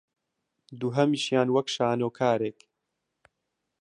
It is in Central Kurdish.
دووهەمیشیان وەک شانۆکارێک